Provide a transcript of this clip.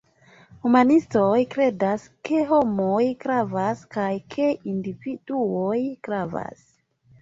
Humanistoj kredas ke homoj gravas, kaj ke individuoj gravas.